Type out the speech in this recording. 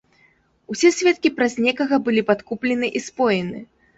Усе сведкі праз некага былі падкуплены і споены.